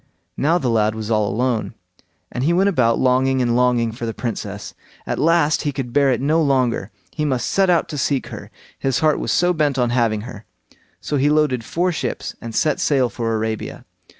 Now the lad was all alone, and he went about longing and longing for the Princess; at last he could bear it no longer; he must set out to seek her, his heart was so bent on having her. So he loaded four ships and set sail for Arabia.